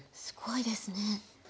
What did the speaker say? すごいですね。